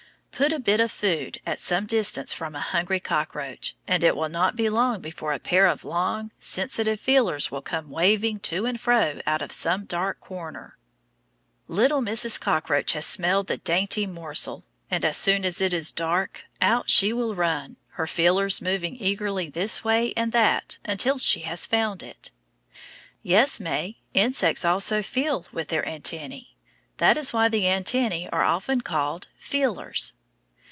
Put a bit of food at some distance from a hungry cockroach, and it will not be long before a pair of long, sensitive feelers will come waving to and fro out of some dark corner. Little Mrs. Cockroach has smelled the dainty morsel, and, as soon as it is dark, out she will run, her feelers moving eagerly this way and that, until she has found it. Yes, May, insects also feel with their antennæ. That is why the antennæ are often called "feelers."